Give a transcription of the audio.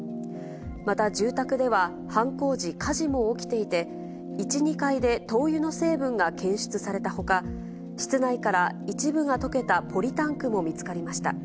また住宅では、犯行時、火事も起きていて、１、２階で灯油の成分が検出されたほか、室内から一部が溶けたポリタンクも見つかりました。